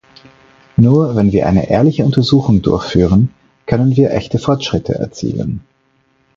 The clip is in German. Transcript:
Nur wenn wir eine ehrliche Untersuchung durchführen, können wir echte Fortschritte erzielen.